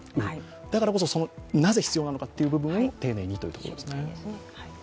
だからこそ、なぜ必要なのかという部分を丁寧にというところですね。